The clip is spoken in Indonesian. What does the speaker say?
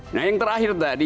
nah yang terakhir tadi